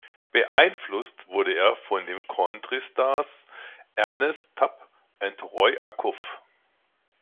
Beeinflusst wurde er von den Country-Stars Ernest Tubb und Roy Acuff.